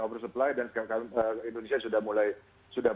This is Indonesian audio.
oversupply dan sekarang indonesia sudah